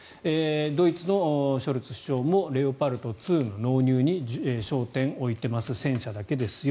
ドイツのショルツ首相もレオパルト２の納入に焦点を置いてます戦車だけですよ。